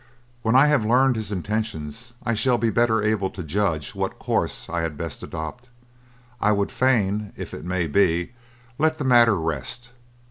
When I have learned his intentions I shall be the better able to judge what course I had best adopt. I would fain, if it may be, let the matter rest.